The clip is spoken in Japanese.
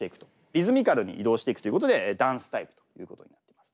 リズミカルに移動していくということでダンスタイプということになっています。